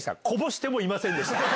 こぼしてもいませんでした。